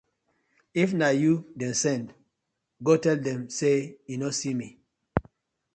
If na yu dem sen, go tell dem say yu no see me.